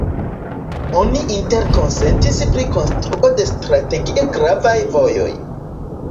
Oni interkonsentis pri konstruo de strategie gravaj vojoj.